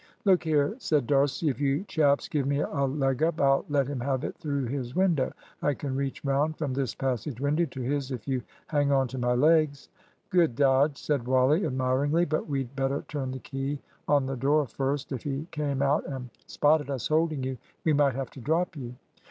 "Look here," said D'Arcy; "if you chaps give me a leg up, I'll let him have it through his window. I can reach round from this passage window to his if you hang on to my legs." "Good dodge," said Wally, admiringly, "but we'd better turn the key on the door first. If he came out and spotted us holding you, we might have to drop you."